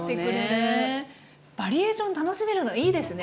バリエーション楽しめるのいいですね。